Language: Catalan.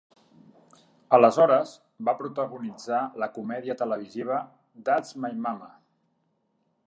Aleshores va protagonitzar la comèdia televisiva "That's My Mama".